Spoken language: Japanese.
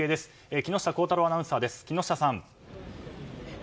木下康太郎アナウンサーです。